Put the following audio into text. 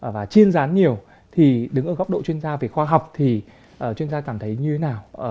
và trên rán nhiều thì đứng ở góc độ chuyên gia về khoa học thì chuyên gia cảm thấy như thế nào